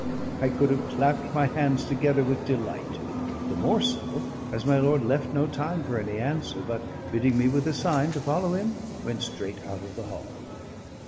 I could have clapped my hands together with delight: the more so as my lord left no time for any answer, but, bidding me with a sign to follow him, went straight out of the hall.